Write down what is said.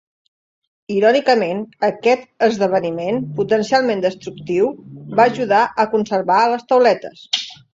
Irònicament, aquest esdeveniment potencialment destructiu va ajudar a conservar les tauletes.